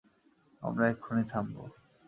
আমরা এক্ষুনি থামবো।